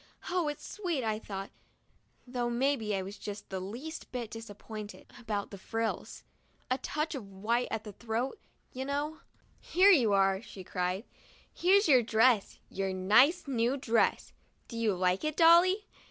"Oh, it's sweet !" I thought, though maybe I was just the least little bit disappointed THE DIARY OF A BIRTHDAY DOLL about the frills. A touch of white at the throat, you know — "Here you are," she cried; "here's your dress — your nice new dress. Do you like it, Dolly?"